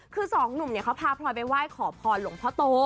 คือสองหนุ่มเนี่ยเขาพาพลอยไปไหว้ขอพรหลวงพ่อโต